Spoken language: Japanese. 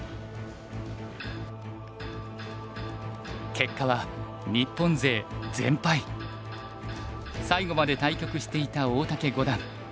結果は最後まで対局していた大竹五段。